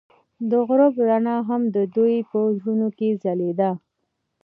د غروب رڼا هم د دوی په زړونو کې ځلېده.